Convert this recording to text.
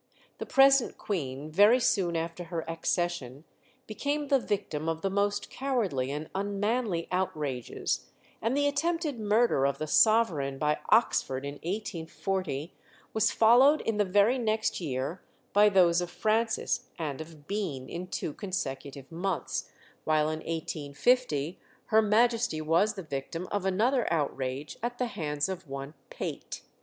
The present Queen very soon after her accession became the victim of the most cowardly and unmanly outrages, and the attempted murder of the sovereign by Oxford in 1840 was followed in the very next year by those of Francis and of Bean in two consecutive months, while in 1850 Her Majesty was the victim of another outrage at the hands of one Pate.